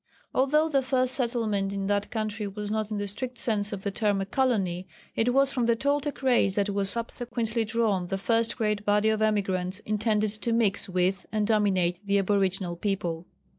Although the first settlement in that country was not in the strict sense of the term a colony, it was from the Toltec race that was subsequently drawn the first great body of emigrants intended to mix with and dominate the aboriginal people.